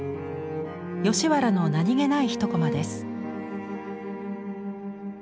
吉原の何気ない一コマです。